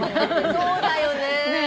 そうだよね。